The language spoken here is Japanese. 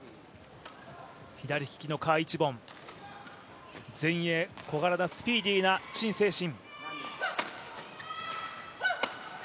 左利きの賈一凡、前衛、小柄なスピーディーな陳清晨。